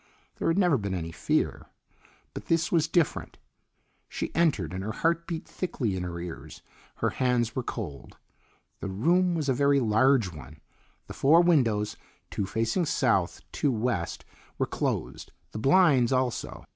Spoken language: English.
There had never been any fear. But this was different. She entered and her heart beat thickly in her ears. Her hands were cold. The room was a very large one. The four windows, two facing south, two west, were closed, the blinds also.